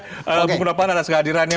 bapak ibu bapak anak atas kehadirannya